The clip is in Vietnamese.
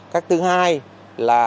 cách thứ hai là